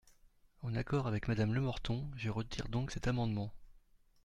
En accord avec Madame Lemorton, je retire donc cet amendement.